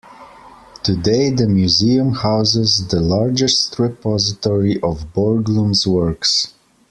Today the Museum houses the largest repository of Borglum's works.